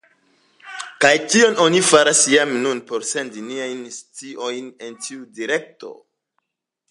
Kaj kion oni faras jam nun por sendi niajn sociojn en tiu direkto?